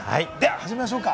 始めましょうか。